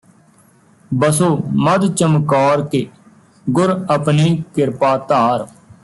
ਬਸੋ ਮਧਿ ਚਮਕੌਰ ਕੇ ਗੁਰ ਅਪਨੀ ਕਿਰਪਾ ਧਾਰਿ